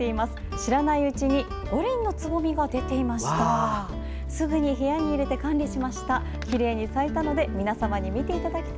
知らないうちに５輪のつぼみが出ていました。